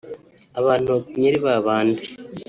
abantu bagumya ari babandi